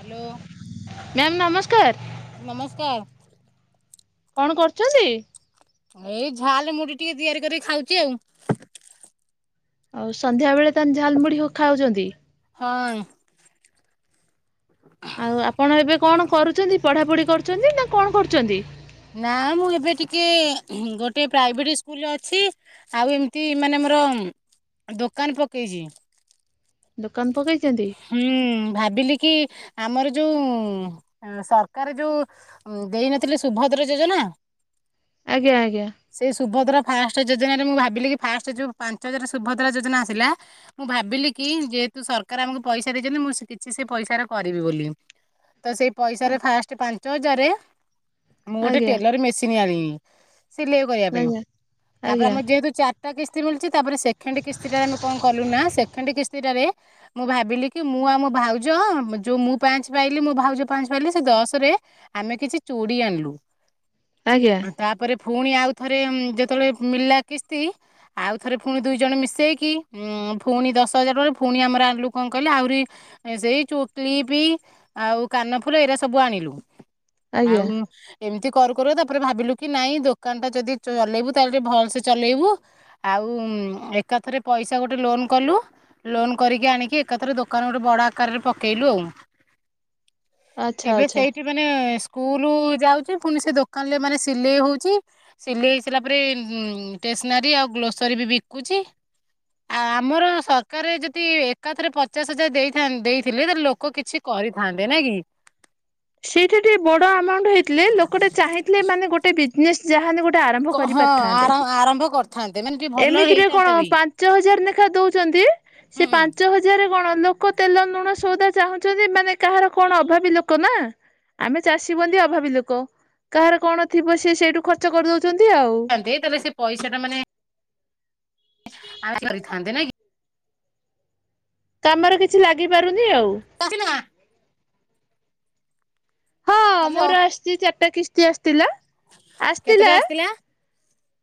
Hello. Ma'am ନମସ୍କାର୍। ନମସ୍କାର୍। କଣ କରୁଛନ୍ତି? ଏଇ ଝାଲମୁଢ଼ି ଟିକେ ତିଆରି କରିକି ଖାଉଛି ଆଉ। ଆଉ ସନ୍ଧ୍ୟାବେଳେ ତାହେଲେ ଝାଲମୁଢ଼ି ହଉ ଖାଉଛନ୍ତି? ହଁ। ଆଉ ଆପଣ ଏବେ କଣ କରୁଛନ୍ତି, ପଢ଼ାପଢ଼ି କରୁଛନ୍ତି ନା କଣ କରୁଛନ୍ତି? ନାଁ ମୁଁ ଏବେ ଟିକେ ହୁଁ ଗୋଟେ ପ୍ରାଇଭେଟି ସ୍କୁଲରେ ଅଛି। ଆଉ ଏମିତି ମାନେ ମୋର ଉଁ ଦୋକାନ୍ ପକେଇଛି। ଦୋକାନ୍ ପକେଇଛନ୍ତି? ହୁଁ ଭାବିଲି କି ଆମର ଯୋଉଁ ଏଁ ସରକାର ଯୋଉ ଉଁ ଦେଇନଥିଲେ ସୁଭଦ୍ରା ଯୋଜନା ଆଜ୍ଞା ଆଜ୍ଞା। ସେଇ ସୁଭଦ୍ରା ଫାଷ୍ଟ୍ ଯୋଜନାରେ ମୁଁ ଭାବିଲି କି ଫାଷ୍ଟ୍ ଯୋଉ ପାଞ୍ଚ ହଜାର ସୁଭଦ୍ରା ଯୋଜନା ଆସିଲା ମୁଁ ଭାବିଲି କି ଯେହେତୁ ସରକାର୍ ଆମୁକୁ ପଇସା ଦେଇଛନ୍ତି ମୁଁ [unintelligible] କିଛି ସେ ପଇସାରେ କରିବି ବୋଲି। ତ ସେଇ ପଇସାରେ ଫାଷ୍ଟ୍ ପାଞ୍ଚ ହଜାରରେ ମୁଁ ଗୋଟେ ଆଜ୍ଞା ଟେଲର୍ ମେସିନ୍ ଆଣିଲି ସିଲେଇ କରିବା ପାଇଁ। ଆଜ୍ଞା ତା ପରେ ଆଜ୍ଞା ଆମର ଯେହେତୁ ଚାର୍ ଟା କିସ୍ତି ମିଳୁଛି। ତା ପରେ ସେକେଣ୍ଡ କିସ୍ତିଟାରେ [unintelligible] କଣ କଲୁ ନା ସେକେଣ୍ଡ କିସ୍ତିଟାରେ ମୁଁ ଭାବ୍ ବିଲି କି ମୁଁ ଆଉ ମୋ ଭାଉଜ ଯୋଉ ମୁଁ ପାଞ୍ଚ ପାଇଲି ମୋ ଭାଉଜ ପାଞ୍ଚ ପାଇଲେ ସେଇ ଦଶରେ ଆମେ କିଛି ଚୁଡ଼ି ଆଣିଲୁ। ଆଜ୍ଞା। ତା ପରେ ଫୁଣି ଆଉଥରେ ଯେତେବେଳେ ମିଳିଲା କିସ୍ତି ଆଉ ଥରେ ଫୁଣି ଦୁଇ ଜଣ ମିଶେଇକି ଉଁ ଫୁଣି ଦଶହଜାର ଟଙ୍କାରେ ଫୁଣି ଆମର ଆଣିଲୁ କଣ କହିଲେ ଆହୁରି ସେଇ ଯୋଉ କ୍ଲିପି ଆଉ କାନଫୁଲ ଏଇରା ସବୁ ଆଣିଲୁ। ଆଉ ଆଜ୍ଞା ଉ ଏମିତି କରୁ କରୁ ତା ପରେ ଭାବିଲୁ କି ନାଇଁ ଦୋକାନ ଟା ଯଦି ଚଲେଇବୁ ତାହେଲେ ଟିକେ ଭଲ ସେ ଚଲେଇବୁ। ଆଉ ଏକାଥରେ ପଇସା ଗୋଟେ ଲୋନ୍ କଲୁ ଲୋନ୍ କରିକି ଆଣିକି ଏକା ଥରେ ଦୋକାନ ଗୋଟେ ବଡ ଆକାରରେ ପକେଇଲୁ ଆଉ। ଆଚ୍ଛା ଏବେ ଆଚ୍ଛା। ସେଇଠି ମାନେ ସ୍କୁଲ୍ ଯାଉଛି ଫୁଣି ସେ ଦୋକାନ୍ ରେ ମାନେ ସିଲେଇ ହଉଛି। ସିଲେଇ ହେଇ ସାରିଲା ପରେ ଟେସ୍ନାରୀ ଆଉ ଗ୍ଲୋସରୀ ବି ବିକୁଛି। ଆଉ ଆମର ସରକାର୍ ଯଦି ଏକାଥରେ ପଚାଶ ହଜାର ଦେଇଥାନ୍ତେ ଦେଇଥିଲେ ତାହାଲେ ଲୋକ କିଛି କରିଥାନ୍ତେ ନାଁଇ କି? ସେଇଟା ଟିକେ ବଡ ଆମାଉଣ୍ଟ ହେଇଥିଲେ ଲୋକଟେ ଚାହିଁଥିଲେ ମାନେ ଗୋଟେ ବିଜନେସ ଯାହା ହେଲେ ଗୋଟେ ଆରମ୍ଭ କ- ହଁ କରିପାରିଥାନ୍ତେ। ଆର- ଆରମ୍ଭ କରିଥାନ୍ତେ ମାନେ ଟିକେ ଭଲ ଏମିତିରେ ହେଇଥାନ୍ତା କଣ ବି ପାଞ୍ଚ ହଜାର ଲେଖା ଦଉଛନ୍ତି ସେ ହୁଁଥାନ୍ତେ ପାଞ୍ଚ ହଜାର ପଜାରେ କଣ ଲୋକ ତେଲ, ଲୁଣ ସଉଦା ଚାହୁଁଛନ୍ତି ମାନେ କାହାର କଣ ଅଭାବୀ ଲୋକ ନା। ଆମେ ଚାଷୀ ବନ୍ଦୀ ଅଭାବୀ ଲୋକ କାହାର କଣ ଥିବ ସେ ସେଇଠୁ ଖର୍ଚ୍ଚ କରିଦଉଛନ୍ତି ଆଉ। ତାହେଲେ ସେ ପଇସାଟା ମାନେ ଆମେ କରିଥାନ୍ତେ ନାଇଁକି? କାମରେ କିଛି ଲାଗିପାରୁନି ଆଉ। କଖ ନ [inaudible] ହଁ ହ୍ୟାଲୋ ମୋର ଆସିଛି ଚାରିଟା କିସ୍ତି ଆସିଥିଲା ଆସିଥିଲା।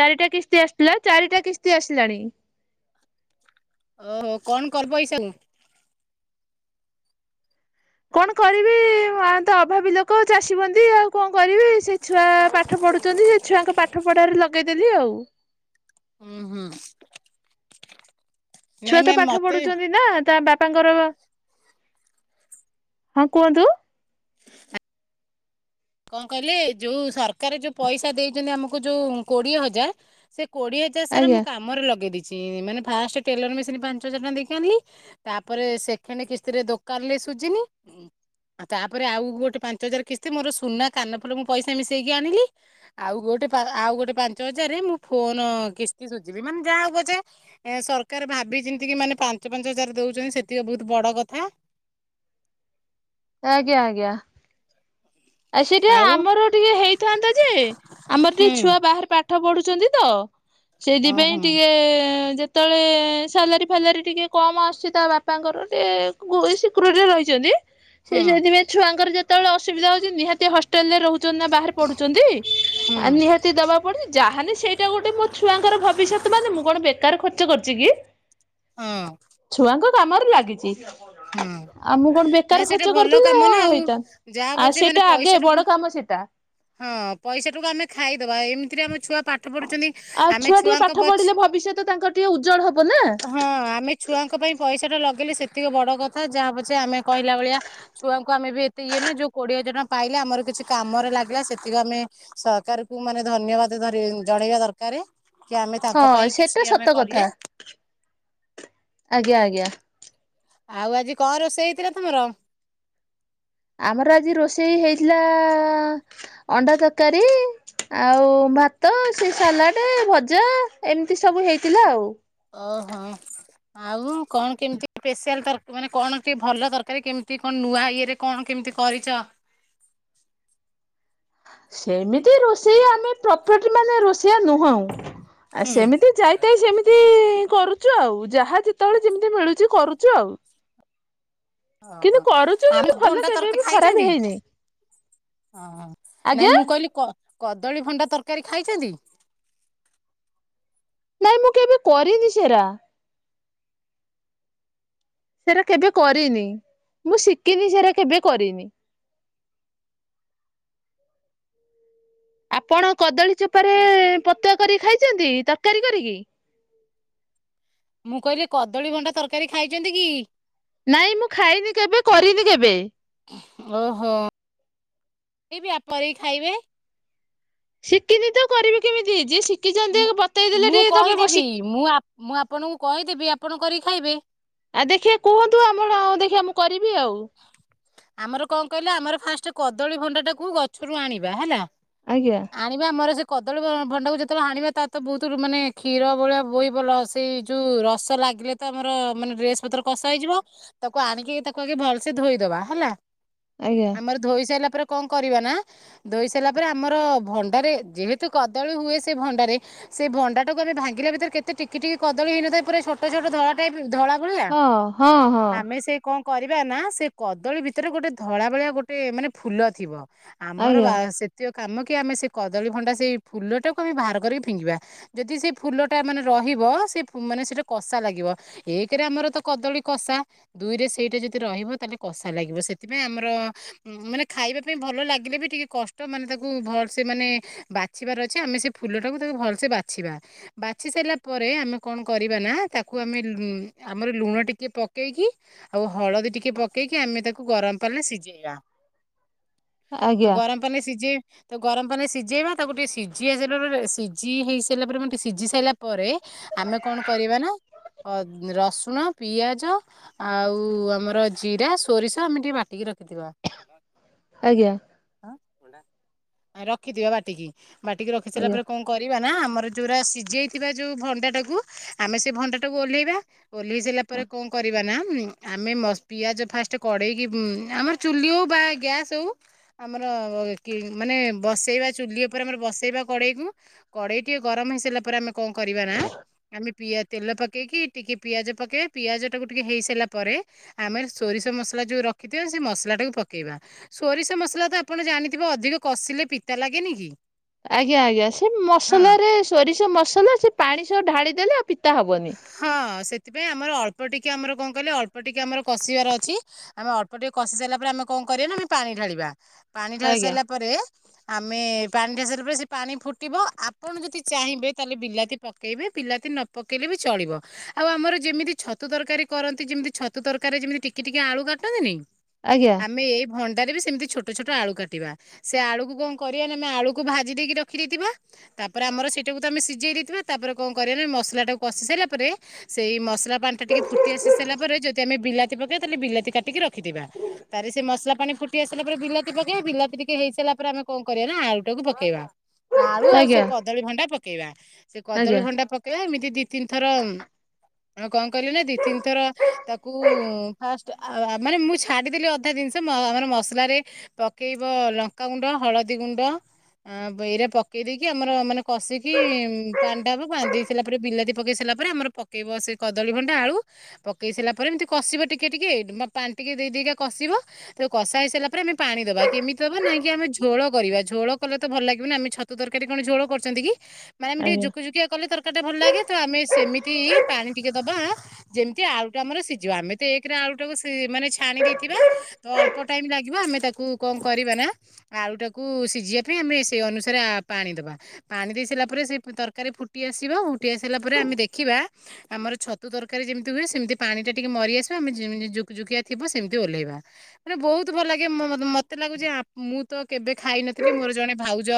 ଚାରିଟା କିସ୍ତି ଆସିଥିଲା ଚାରିଟା କିସ୍ତି ଆସିଲାଣି। ଓହୋ କଣ କରିବ ପଇସାକୁୁ? କଣ କରିବି ଆ ତ ଅଭାବୀ ଲୋକ ଚାଷୀବନ୍ଦି ଆଉ କଣ କରିବି ସେ ଛୁଆ ପାଠ ପଢୁଛନ୍ତି ସେ ଛୁଆଙ୍କ ପାଠ ପଢାରେ ଲଗେଇଦେଲି ଆଉ। ଉଁ ହୁଁ। ଛୁଆ ନାଇଁ ତ ମ୍ୟାମ୍ ପାଠ ମତେ ପଢୁଛନ୍ତି ନା ତା ବାପାଙ୍କର ହଁ କୁହନ୍ତୁ। କଣ କହିଲେ ଯୋଉ ସରକାର ଯୋଉ ପଇସା ଦେଇଛନ୍ତି ଆମକୁ ଯୋଉ କୋଡିଏ ହଜାର ସେ କୋଡିଏ ହଜ ସାର ଆଜ୍ଞା। ମୁଁ କାମରେ ଲଗେଇ ଦେଇଛି ମାନେ ଫାଷ୍ଟ ଟେଲର ମେସିନ ପାଞ୍ଚ ହଜାର ଟଙ୍କା ଦେଇକି ଆଣିଲି ତାପରେ ସେକେଣ୍ଡ କିସ୍ତିରେ ଦୋକାନରେ ସୁଜିନି। ତାପରେ ଆଉ ଗୋଟେ ପାଞ୍ଚ ହଜାର କିସ୍ତି ମୋର ସୁନା କାନଫୁଲ ମୁଁ ପଇସା ମିଶେଇକି ଆଣିଲି। ଆଉ ଗୋଟେ ଆଉ ଗୋଟେ ପାଞ୍ଚ ହଜାରରେ ମୁଁ ଫୋନ କିସ୍ତି ସୁଝିବି ମାନେ ଯାହା ହଉ ପଛେ ଏ ସରକାର ଭାବି ଚିନ୍ତି କି ମାନେ ପାଞ୍ଚ ପାଞ୍ଚ ହଜାର ଦଉଛନ୍ତି ସେତିକି ବହୁତ ବଡ କଥା। ଆଜ୍ଞା ଆଜ୍ଞା। ଆଉ ସେଟା ଆମର ଟିକେ ହେଇଥାନ୍ତା ଯେ ଆମର ହୁଁ ଟିକେ ଛୁଆ ବାହାରେ ପା ପାଠ ପଢୁଛନ୍ତି ତ ଓ ସେଇଥିପାଇଁ ହୁଁ ଟିକେ ଯେ ତେବେଳେ ସାଲାରୀ ଫାଲାରୀ ଟିକେ କମ ଆସୁଛି ତା ବାପାଙ୍କର ଟିକେ ସେକ୍ୟୁରିଟୀ ରେ ରହିଛନ୍ତି। ସେ ହୁଁ ସେଥିପାଇ ଛୁଆଙ୍କର ଯେତେବେଳେ ଅସୁବିଧା ନିହାତି ହଷ୍ଟେଲରେ ରହୁଛନ୍ତି ନା ବାହାରେ ହୁଁ ପଢୁଛନ୍ତି ନି ବା ପଡେ ଯାହାନି ସେଇଟା ଗୋଟେ ମୋ ଛୁଆଙ୍କର ଭବିଷ୍ୟତ ମାନେ ମୁଁ କଣ ବେକାର ଖର୍ଚ୍ଚ କରିଛି କି? ହଁ ଛୁଆଙ୍କ କାମରେ ଲାଗିଛି। ହୁ ଆଉ ମୁଁ କଣ ବେକାର ନାଇଁ ସେଇଟା ଖର୍ଚ୍ଚ ଭଲ କରିଥିଲେ କାମ ନା ଆଉ ହେଇଥାନ୍ତା ଯାହା ଆଉ ହବଛେ ମାନେ ସେଇଟା ଆଗେ ବଡ ପଇସାଟାକୁ କାମ ସେଇଟା ହଁ ପଇସାଟାକୁ ଆମେ ଖାଇଦବା ଏମିତିରେ ଆମ ଛୁଆ ପାଠ ପଢୁଛନ୍ତି ଆଉ ଆମେ ଛୁଆ ଟିକେ ପାଠ ଛୁଆଙ୍କ ପଛ ପଢିଲେ ଭବିଷ୍ୟତ ତାଙ୍କର ଟିକେ ଉଜ୍ଜଳ ହବ ନା ହଁ ଆମେ ଛୁଆଙ୍କ ପାଇଁ ପଇସା ଟା ଲଗେଇଲେ ସେତିକ ବଡ କଥା ଯାହା ହବଛ ଆମେ କହିଲା ଭଳିଆ ଛୁଆଙ୍କୁ ଆମେ ବି ଏତେ ଇଏନୁ ଯୋଉ କୋଡିଏ ହଜାର ଟଙ୍କା ପାଇଲେ ଆମର କିଛି କାମରେ ଲାଗିଲା ସେତିକି ଆମେ ସରକାର କୁ ମାନେ ଧନ୍ୟବାଦ ଧ ଜଣେଇବା ଦରକାର। କି ଆମେ ତାଙ୍କ ହଁ ପାଇଁ କିଛି ସେଟା ଆମେ ସତ କଲେ। କଥା ଆଜ୍ଞା ଆଜ୍ଞା। ଆଉ ଆଜି କଣ ରୋଷେଇ ହେଇଥିଲା ତମର? ଆମର ଆଜି ରୋଷେଇ ହେଇଥିଲା ଅଣ୍ଡା ତରକାରୀ। ଆଉ ଭାତ ସେ ସାଲାଡ, ଭଜା ଏମିତି ସବୁ ହେଇଥିଲା ଆଉ। ଓହୋ। ଆଉ କଣ କେମିତି ସ୍ପେଶାଲର ମାନେ କଣ ଟିକେ ଭଲ ତରକାରୀ କେମିତି କଣ ନୂଆ ଇଏରେ କଣ କେମିତି କରିଚ ସେମିତି ରୋଷେଇ ଆମେ ପ୍ରପର୍ଲି ମାନେ ରୋଷେଇଆ ନୁହଁ। ଆ ହୁଁ ସେମିତି ଯାଇଥାଇ ସେମିତି କରୁଚୁ ଆଉ ଯାହା ଯେତେବେଳେ ଯେମିତି ମିଳୁଛି କରୁଚୁ ଆଉ। କିନ୍ତୁ ଓହୋ କରୁଛୁ କିନ୍ତୁ ଆଉ ଭଲ ଭଣ୍ଡା କେବେ ତରକାର ବି ଖରାପ ଖାଇଛନ୍ତି? ହେଇନି ହ ନାଇଁ ଆଜ୍ଞା ମୁଁ କହିଲି କଦଳୀ ଭଣ୍ଡା ତରକାରୀ ଖାଇଛନ୍ତି? ନାଇଁ ମୁଁ କେବେ କରିନି ସେରା ସେଟା କେବେ କରିନି ମୁଁ ଶିକିନି ସେଟା କେବେ କରିନି। ଆପଣ କଦଳୀ ଚୋପାରେ ପତୁଆ କରିକି ଖାଇଛନ୍ତି ତରକାରୀ କରିକି ମୁଁ କହିଲି କଦଳୀ ଭଣ୍ଡା ତରକାରୀ ଖାଇଛନ୍ତି କି ନାଇଁ ମୁଁ ଖାଇନି କେବେ କରିନି କେବେ ଓହୋ ପିଇବି କରିକି ଖାଇବେ ଶିକିନି ତ କରିବି କେମିତି ଯିଏ ମୁଁ ଶିକିଛନ୍ତି ବତେଇଦେଲେ ମୁଁ ଟିକେ ତମେ କହିଦେବି ମୁଁ ଆପ୍ ମୁଁ ଆପଣଙ୍କୁ କହିଦେବି ଆପଣ କରିକି ଖାଇବେ ଆଉ ଦେଖିବା କୁହନ୍ତୁ ଆମର ଦେଖିବା ମୁଁ କରିବି ଆଉ ଆମର କଣ କହିଲା ଆମର ଫାଷ୍ଟ କଦଳୀ ଭଣ୍ଡାଟାକୁ ଗଛରୁ ଆଣିବା ହେଲା ଆଜ୍ଞା ଆଣିବା ଆମର ସେ କଦଳୀ ଭଣ୍ଡାକୁ ଯେତେବେଳେ ଆଣିବା ତା ତ ବହୁତ ମାନେ କ୍ଷୀର ଭଳିଆ ବହି ଭଲ ସେଇ ଯୋଉ ରସ ଲାଗିଲେ ତ ଆମର ମାନେ ଡ୍ରେସ ପତ୍ର କଷ ହେଇଯିବ ତାକୁ ଆଣିକି ତାକୁ ଆଗେ ଭଲ ସେ ଧୋଇଦେବା ହେଲା ଆଜ୍ଞା ଆମର ଧୋଇ ସାରିଲା ପରେ କଣ କରିବା ନା ଧୋଇ ସାରିଲା ପରେ ଆମର ଭଣ୍ଡାରେ ଯେହେତୁ କଦଳୀ ହୁଏ ସେ ଭଣ୍ଡାରେ ସେ ଭଣ୍ଡା ଟାକୁ ଆମେ ଭାଙ୍ଗିଲା ଭିତରେ କେତେ ଟିକେ ଟିକେ କଦଳୀଇନଥାଏ ପୁରା ଛୋଟ ଛୋଟ ଧଳା ଟାଇପ୍ ଧଳା ଭଳିଆ ହଁ ହଁ ହଁ ଆମେ ସେ କଣ କରିବା ନା ସେ କଦଳୀ ଭିତରେ ଗୋଟେ ଧଳା ଭଳିଆ ଗୋଟେ ମାନେ ଫୁଲ ଥିବ ଆମର ଆଜ୍ଞା ବା ସେତିକ କାମ କି ଆମେ ସେ କଦଳୀ ଭଣ୍ଡା ସେଇ ଫୁଲ ଟାକୁ ଆମେ ବାହାର କରିକି ଫିଙ୍ଗିବା ଯଦି ସେ ଫୁଲ ଟା ମାନେ ରହିବ ସେ ମାନେ ସେଇଟା କଷା ଲାଗିବ ଏକ ରେ ଆମର ତ କଦଳୀ କଷା ଦୁଇରେ ସେଇଟା ଯଦି ରହିବ ତାଲେ କଷା ଲାଗିବ ସେଥିପାଇଁ ଆମର ମାନେ ଖାଇବା ପାଇଁ ଭଲ ଲାଗିଲେ ବି ଟିକେ କଷ୍ଟ ମାନେ ତାକୁ ଭଲ ସେ ମାନେ ବାଛିବାର ଅଛି ଆମେ ସେ ଫୁଲ ଟାକୁ ତାକୁ ଭଲସେ ବାଛିବା ବାଛି ସାରିଲା ପରେ ଆମେ କଣ କରିବା ନା ତାକୁ ଆମେ ଆମର ଲୁଣ ଟିକେ ପକେଇକି ଆଉ ହଳଦୀ ଟିକେ ପ ପକେଇକି ଆମେ ତାକୁ ଗରମ ପାଣିରେ ସିଝେଇବା ତ ଆଜ୍ଞା ଗରମ ପାଣିରେ ସିଝେଇ ଗରମ ପାାନରେ ସିଝେଇବା ତାକୁ ଟିକେ ସିଝି ଆସାରିଲା ପରେ ସିଝି ହେଇ ସାରିଲା ପରେ ଟିକେ ସିଝି ସାରିଲା ପରେ ଆମେ କଣ କରିବା ନା ରସୁଣ ପିଆଜ ଆଉ ଆମର ଜିରା ସୋରିଷ ଆମେ ଟିକେ ବାଟିକି ରଖିଥିବା ହ [unintelligible] ଆଜ୍ଞା। ରଖିଦିଅ ବାଟିକି ବାଟିକି ରଖି ସାରିଲା ପରେ ଆଜ୍ଞା। କ କରିବା ନା ଆମର ଯୁଉଁରା ସିଝଯାଇଥିବା ଯେଉଁ ଭଣ୍ଡାଟାକୁ ଆମେ ସେ ଭଣ୍ଡାଟାକୁ ଓହ୍ଲେଇବା। ଓହ୍ଲେଇ ସାରିଲା ପରେ କଣ କରିବା ନା ଆମେ ମ ପିଆଜ ଫାଷ୍ଟ କେଡେକି ଆମର ଚୁଲି ହଉ ବା ଗ୍ୟାସ୍ ହଉ। ଆମର କି ମାନେ ବସେଇବା ଚୁଲି ଉପରେ ଆମର ବସେଇବା କଡ଼େଇକୁ। କଡ଼େଇ ଟିକେ ଗରମ ହେଇସାରିଲା ପରେ ଆମେ କଣ କରିବା ନା ଆମେ ପିଆ ତେଲ ପକେଇକି ଟିକେ ପିଆଜ ପକେଇବା ପିଆଜ ଟାକୁ ଟିକେ ହେଇ ସାରିଲା ପରେ ଆମେ ସୋରିଷ ମସଲା ଯୋଉ ରଖିଥିବା ସେ ମସଲା ଟାକୁ ପକେଇବା। ସୋରିଷ ମସଲା ତ ଆପଣ ଜାଣିଥିବେ ଅଧିକ କଷିଲେ ପିତା ଲାଗେନି କି? ଆଜ୍ଞା ଆଜ୍ଞା ସେ ହଁ ମସଲାରେ ସୋରିଷ ମସଲା ସେ ପାଣି ସବୁ ଢାଳିଦେଲେ ଆଉ ପିତା ହବନି। ହଁ ସେଥିପାଇଁ ଆମର ଅଳ୍ପ ଟିକେ ଆମର କଣ କହିଲେ ଅଳ୍ପ ଟିକେ ଆମର କଷିବାର ଅଛି। ଆମେ ଅଳ୍ପ ଟିକେ କଷି ସାରିଲା ପରେ ଆମେ କଣ କରିବା ନା ଆମେ ପାଣି ଢାଳିବା ପାଣି ଢାଳି ଆଜ୍ଞା ସାରିଲା ପରେ ଆମେ ପାଣି ଢାସାରିଲା ପରେ ସେ ପାଣି ଫୁଟିବ ଆପଣ ଯଦି ଚାହିଁବେ ତାହେଲେ ବିଲାତି ପକାଇବେ ପିଲାତି ନ ପକେଇଲେ ବି ଚଳିବ। ଆଉ ଆମର ଯେମିତି ଛତୁ ତରକାରୀ କରନ୍ତି ଯେମିତି ଛତୁ ତରକାରୀ ଯେମିତି ଟିକେ ଟିକେ ଆଳୁ କାଟନ୍ତିନି। ଆଜ୍ଞା ଆମେ ଏଇ ଭଣ୍ଡାରେ ବି ସେମିତି ଛୋଟ ଛୋଟ ଆଳୁ କାଟିବା ସେ ଆଳୁକୁ କ କରିବା ନା ଆମେ ଆଳୁକୁ ଭାଜି ଦେଇକି ରଖି ଦେଇଥିବା। ତାପରେ ଆମର ସେଇଟାକୁ ତ ଆମେ ସିଝେଇ ଦେଇଥିବା ତାପରେ କଣ କରିବା ମସଲା ଟାକୁ କଷି ସାରିଲା ପରେ। ସେଇ ମସଲା ପାଣି ଟା ଟିକେ ଫୁଟି ଆସି ସାରିଲା ପରେ ଯଦି ଆମେ ବିଲାତି ପକେଇବା ତାହେଲେ ବିଲାତି କାଟିକି ରଖିଥିବା ତାରେ ସେ ମସଲା ପାଣି ଫୁଟି ଆସିଲା ପରେ ବିଲାତି ପକେଇବା ବିଲାତି ଟିକେ ହେଇସାରା ପରେ ଆମେ କଣ କରିବା ନା ଆଳୁଟାକୁ ପକେଇବା। ଆଳୁ ଆଉ ସେ ଆଜ୍ଞା କଦଳୀ ଭଣ୍ଡା ପକେଇବା ସେ ଆଜ୍ଞା କଦଳୀ ଭଣ୍ଡା ପକେଇବା ଏମିତି ଦି ତିନି ଥର ଆଉ କ କହିଲେ ନା ଦି ତିନିଥର ତାକୁ ଫାଷ୍ଟ ମାନେ ମୁଁ ଛାଡିଦେଲି ଅଧା ଜିନିଷ ଆମର ମସଲାରେ ପକେଇବ ଲଙ୍କାଗୁଣ୍ଡ ହଳଦୀ ଗୁଣ୍ଡ। ଆ ଏଇରା ପକେଇ ଦେଇେଇକି ଆମର ମାନେ କଷିକି ପାଣି ଟା ହବ ପାଣି ଦେଇ ସାରିଲା ପରେ ବିଲାତି ପକାଇ ସାରିଲା ପରେ ଆମର ପକାଇବ ସେ କଦଳୀଭଣ୍ଡା ଆଳୁ ପକେଇ ସାରିଲା ପରେ ଏମିତି କଷିବ ଟିକେ ଟିକେ ପାଣି ଟିକେ ଦେଇ ଦେଇ କା କଷିବ। ତ କଷା ହେଇସାରା ପରେ ଆମେ ପାଣି ଦବା କେମିତି ଦବା ନାଇହିଁ କି ଆମେ ଝୋଳ କରିବା ଝୋଳ କଲେ ତ ଭଲ ଲାଗିବନି ଆମେ ଛ ତୁ ତରକାରୀ କଣ ଝୋଳ କରଛନ୍ତି କି ମାନେ ଏମିତି ଆଜ୍ଞା। ଯୁକି ଯୁକିଆ କଲେ ତରକାରୀ ଟା ଭଲ ଲାଗେ। ତ ଆମେ ସେମିତି ପାଣି ଟିକେ ଦବା। ଯେମିତି ଆଳୁଟା ଆମର ସିଝିବ ଆମେ ତ ଏକରେ ଆଳୁ ଟାକୁ ମାନେ ଛାଣି ଦେଇଥିବା। ତ ଅଳ୍ପ ଟାଇମ ଲାଗିବ ଆମେ ତାକୁ କଣ କରିବା ନା ଆଳୁ ଟାକୁ ସିଝିବା ପାଇଁ ଆମେ ସେଇ ଅନୁସାରେ ପାଣି ଦବା। ପାଣି ଦେଇ ସାରିଲା ପରେ ସେ ତରକାରୀ ଫୁଟି ଆସିବ ଫୁଟି ଆସିଲା ପରେ ଆମେ ଦେଖିବା ଆମର ଛତୁ ତରକାରୀ ଯେମିତି ହୁଏ ସେମିତି ପାଣି ଟା ଟିକେ ମରି ଆସିବା ଆମେ ଯେମିତି ଜୁକି ଯୁକିଆ ଥିବ ସେମିତି ଓହ୍ଲେଇବା। ମାନେ ବହୁତ ଭଲ ଲାଗେ, ମ୍ ମ ମତେ ଲାଗୁଛି ଆପ ମୁଁ ତ କେବେ ଖାଇନଥିଲି ମୋର ଜଣେ ଭାଉଜ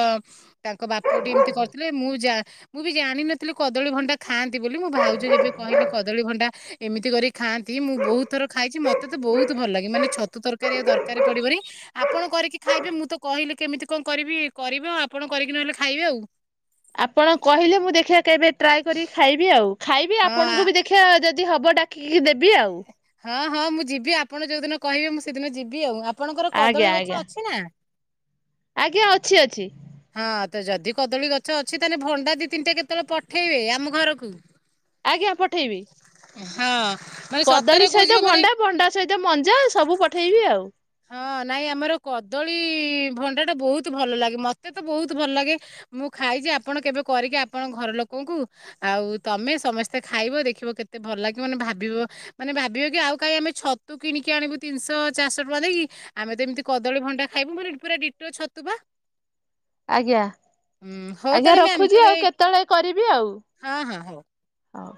ତାଙ୍କ ବାପ ଟି ଏମିତି କରିଥିଲେ ମୁଁ ଯା ମୁଁ ବି ଜାଣିନଥିଲି କ କଦଳୀ ଭଣ୍ଡା ଖାଆନ୍ତି ବୋଲି ମୋ ଭାଉଜ ଯେବେ କହିଲେ କଦଳୀ ଭଣ୍ଡା ଏମିତି କରି ଖାଆନ୍ତି ମୁଁ ବହୁତ ଥର ଖାଇଛି ମ ମତେ ତ ବହୁତ ଭଲ ଲାଗେ ମାନେ ଛତୁ ତରକାରୀ ଆଉ ତରକାରୀ ପଡିବନି। ଆପଣ କରିକି ଖାଇବେ ମୁଁ ତ କହିଲି କେମିତି କଣ କରିବି କରିବ ଆଉ ଆପଣ କରିକି ନହେଲେ ଖାଇବେ ଆଉ। ଆପଣ କହିଲେ ମୁଁ ଦେଖିବା କେବେ ଟ୍ରାଏ କରିକି ଖାଇବି ଆଉ ଖାଇବି ହଁ ଆପଣଙ୍କୁ ଆ- ବି ଦେ ଖିଆ ଯଦି ହେବ ଡାକିକି ଦେବି ଆଉ। ହଁ ହଁ ମୁଁ ଯିବି ଆପଣ ଯୋଉଦିନ କହିବେ ମୁଁ ସେଦିନ ଯିବି ଆଉ ଆପଣଙ୍କର ଆଜ୍ଞା କଦଳୀ ଆଜ୍ଞା ଗଛ ଅଛି ନା? ଆଜ୍ଞା ଅଛି ଅଛି। ହଁ ତ ଯଦି କଦଳୀ ଗଛ ଅଛି ତାହେଲେ ଭଣ୍ଡା ଦି ତିନିଟା କେତେବେଳେ ପଠେଇବେ ଆମ ଘରକୁ। ଆଜ୍ଞା ପଠେଇବି। ହଁ। ମାନେ କଦଳୀ ସତରେ କହୁଛି ସହିତ ବା ମାନେ ଭଣ୍ଡା, ଭଣ୍ଡା ସହିତ ମଞ୍ଜା ସବୁ ପଠେଇବି ଆଉ। ହଁ ନାଇଁ ଆମର କଦଳୀ ଭଣ୍ଡା ଟା ବହୁତ ଭଲ ଲାଗେ। ମତେ ତ ବହୁତ ଭଲ ଲାଗେ। ମୁଁ ଖାଇଚି ଆପଣ କେବେ କରିକି ଆପଣ ଘର ଲୋକଙ୍କୁ ଆଉ ତମେ ସମସ୍ତେ ଖାଇବ। ଦେଖିବ କେତେ ଭଲ ଲାଗିବ ମାନେ ଭାବିବ ମାନେ ଭାବିବେ କି ଆଉ କାଇହିଁ ଆମେ ଛତୁ କିଣିକି ଆଣକୁୁ ତିିନିଶହ ଚାରିଶହ ତ ଟଙ୍କା ଦେଇକି। ଆମେ ତ ଏମତି କଦଳୀ ଭଣ୍ଡା ଖାଇବୁ ପୁରା ଦିଟ ଛତୁ ବା। ଆଜ୍ଞା ହୁଁ ହଉ ଆଜ୍ଞା ତାହେଲେ ମ୍ୟାମ୍ ରଖୁଚି। ତାହେଲେ ଆଉ କେତେବେଳେ କରିବି ଆଉ। ହଁ ହଁ ହଉ। ହଉ।